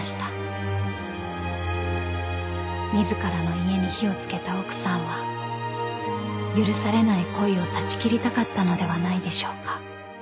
［自らの家に火を付けた奥さんは許されない恋を断ち切りたかったのではないでしょうか？］